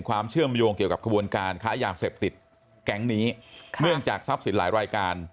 ความเชื่อมโยงเกี่ยวกับขบวนการค้ายาเสพติดแก๊งนี้เนื่องจากทรัพย์สินหลายรายการ